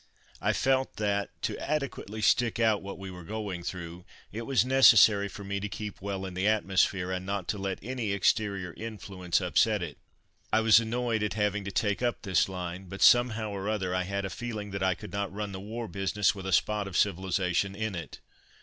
I felt that, to adequately stick out what we were going through, it was necessary for me to keep well in the atmosphere, and not to let any exterior influence upset it. I was annoyed at having to take up this line, but somehow or other I had a feeling that I could not run the war business with a spot of civilization in it.